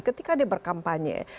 ketika dia berkampanye